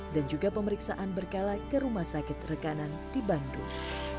dan juga pemeriksaan berkala ke rumah sakit rekanan di bandung